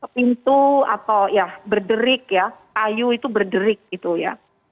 pintu atau ya berderik ya kayu itu berderik gitu ya